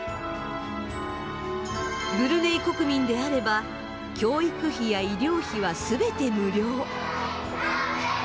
ブルネイ国民であれば教育費や医療費は全て無料。